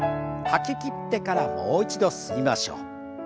吐ききってからもう一度吸いましょう。